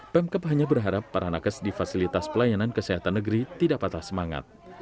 pemkep hanya berharap para nakes di fasilitas pelayanan kesehatan negeri tidak patah semangat